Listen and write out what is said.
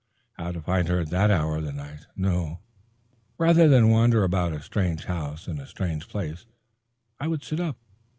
How to find her at that hour of the night? No; rather than wander about a strange house in a strange place, I would sit up.